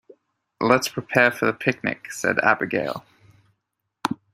"Let's prepare for the picnic!", said Abigail.